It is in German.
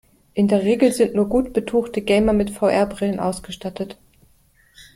In der Regel sind nur gut betuchte Gamer mit VR-Brillen ausgestattet.